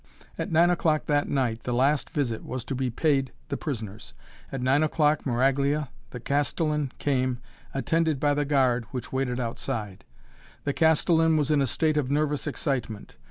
At nine o'clock that night the last visit was to be paid the prisoners. At nine o'clock Maraglia, the Castellan, came, attended by the guard, which waited outside. The Castellan was in a state of nervous excitement.